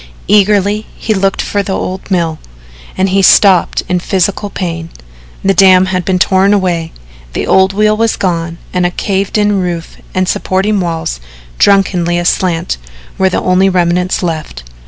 Eagerly he looked for the old mill, and he stopped in physical pain. The dam had been torn away, the old wheel was gone and a caved in roof and supporting walls, drunkenly aslant, were the only remnants left.